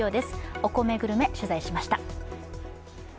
お米グルメ、取材しました。